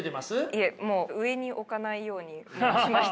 いえもう上に置かないようにしました。